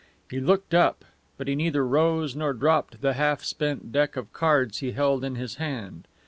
He looked up, but he neither rose nor dropped the half spent deck of cards he held in his hand.